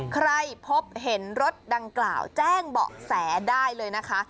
ใครพบเห็นรถดังกล่าวแจ้งเบาะแสได้เลยนะคะ